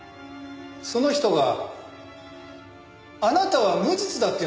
その人があなたは無実だって言うんですよ。